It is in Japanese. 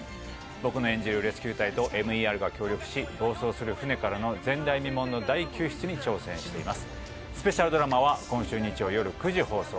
僕の演じるレスキュー隊とＭＥＲが協力し暴走する船からの前代未聞のことに挑戦しています。